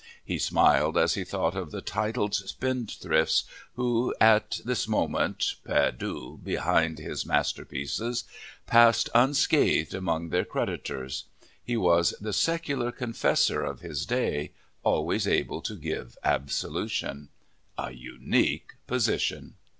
He smiled as he thought of the titled spendthrifts who, at this moment, perdus behind his masterpieces, passed unscathed among their creditors. He was the secular confessor of his day, always able to give absolution. A unique position!